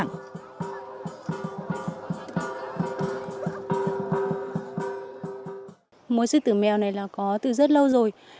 múa sư tử mèo này là có từ rất lâu rồi